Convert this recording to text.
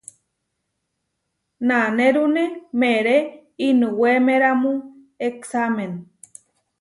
Nanérune meeré inuwémeramu eksámen.